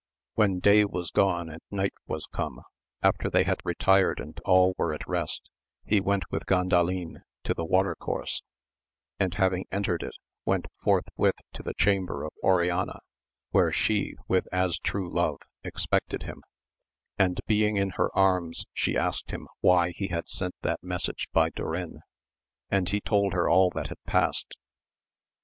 When day was gone and night was come, after they had retired and all were at rest, he went with Gandalin to the water course, and having entered it, went forthwith to the chamber of Oriana, where she with as true love expected him; and being in no AMADIS OF GAUL. her anns she asked him why he had sent that message by Durin, and he told her all that had passed.